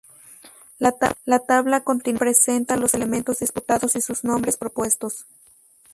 La tabla a continuación presenta los elementos disputados y sus nombres propuestos.